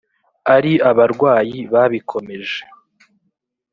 Ari abarwanyi babikomeje